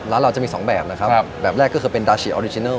ร้านเราจะมีสองแบบนะครับแบบแรกก็คือเป็นดาชิออริจินัล